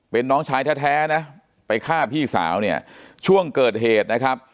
เป็นน้องชายแท้นะไปฆ่าพี่สาวเนี่ยช่วงเกิดเหตุนะครับ